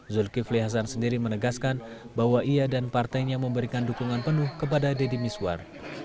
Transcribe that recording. zulkifli hasan sendiri menegaskan bahwa ia dan partainya memberikan dukungan penuh kepada deddy miswar